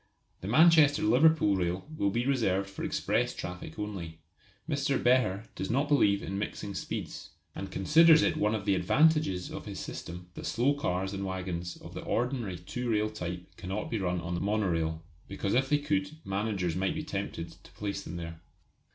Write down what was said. The Manchester Liverpool rail will be reserved for express traffic only. Mr. Behr does not believe in mixing speeds, and considers it one of the advantages of his system that slow cars and waggons of the ordinary two rail type cannot be run on the monorail; because if they could managers might be tempted to place them there.